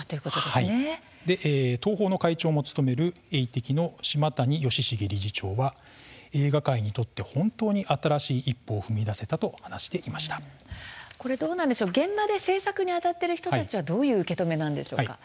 東宝の会長も務める映適の島谷能成理事長は映画界にとって本当に新しい一歩が踏み出せたと現場で制作にあたっている人たちはどういう受け止めなんでしょうか。